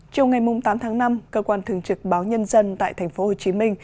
trong ngày tám tháng năm cơ quan thường trực báo nhân dân tại tp hcm